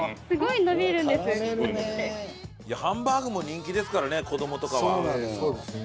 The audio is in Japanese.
いやハンバーグも人気ですからね子供とかは。